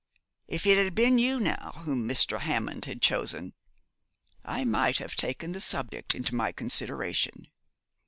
If it had been you, now, whom Mr. Hammond had chosen, I might have taken the subject into my consideration.'